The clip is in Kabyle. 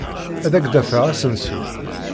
Ad ak-d-afeɣ asensu.